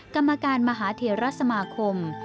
กรรมการมหาเทรสมาคม